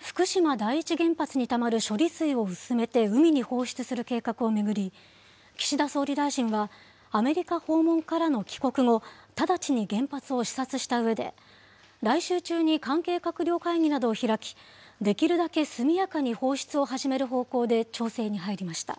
福島第一原発にたまる処理水を薄めて海に放出する計画を巡り、岸田総理大臣は、アメリカ訪問からの帰国後、直ちに原発を視察したうえで、来週中に関係閣僚会議などを開き、できるだけ速やかに放出を始める方向で調整に入りました。